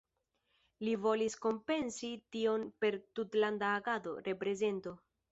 Li volis kompensi tion per tutlanda agado, reprezento.